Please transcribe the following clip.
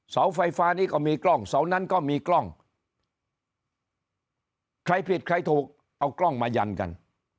เสาไฟฟ้านี้ก็มีกล้องเสานั้นก็มีกล้องใครผิดใครถูกเอากล้องมายันกัน